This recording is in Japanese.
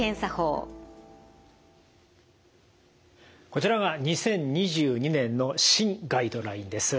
こちらが２０２２年の新ガイドラインです。